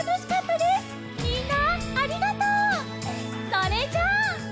それじゃあ！